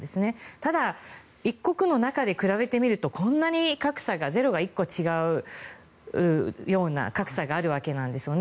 ただ、一国の中で比べてみるとこんなに格差がゼロが１個違うような格差があるわけなんですね。